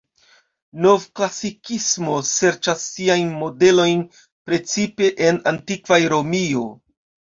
Novklasikismo serĉas siajn modelojn precipe en antikva Romio.